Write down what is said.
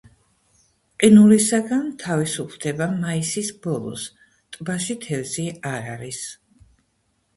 ყინულისაგან თავისუფლდება მაისის ბოლოს, ტბაში თევზი არ არის.